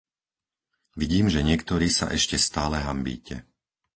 Vidím, že niektorí sa ešte stále hanbíte.